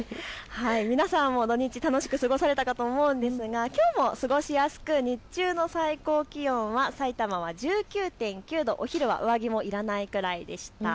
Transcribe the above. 皆さんも土日、楽しく過ごされたかと思うんですがきょうも過ごしやすく日中の最高気温はさいたまは１９．９度、お昼は上着もいらないくらいでした。